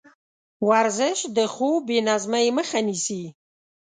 ورزش د خوب بېنظمۍ مخه نیسي.